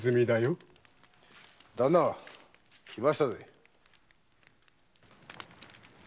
旦那来ましたぜ。